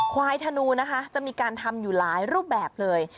ควายธนูนะคะจะมีการทำอยู่หลายรูปแบบเลย